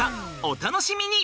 お楽しみに！